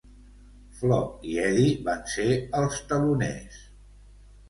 Flo i Eddie van ser els teloners.